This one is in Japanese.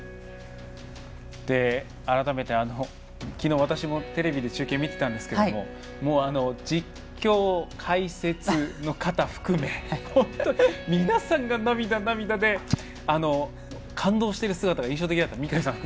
改めて、昨日私もテレビで中継を見ていたんですが実況、解説の方含め皆さんが涙、涙で感動している姿が印象的だったんです。